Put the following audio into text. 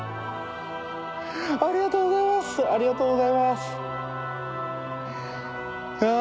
ありがとうございます！